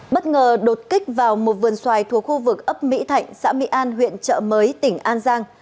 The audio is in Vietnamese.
bất ngờ đột kích vào một vườn xoài thuộc khu vực ấp mỹ thạnh xã mỹ an huyện trợ mới tỉnh an giang